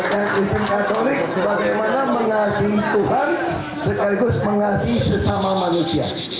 kuatkan isim katolik bagaimana mengasihi tuhan sekaligus mengasihi sesama manusia